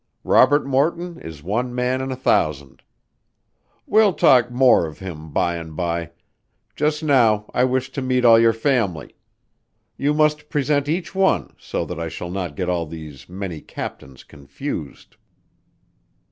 Robert Morton is one man in a thousand. We'll talk more of him by and by. Just now I wish to meet all your family. You must present each one, so that I shall not get all these many captains confused."